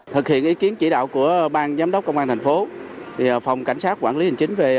thực hiện ý kiến chỉ đạo của bang giám đốc công an thành phố phòng cảnh sát quản lý hình chính về